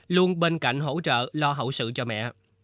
luôn bên cạnh hỗ trợ lo hậu sự cho mẹ